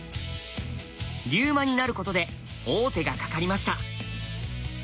龍馬に成ることで王手がかかりました。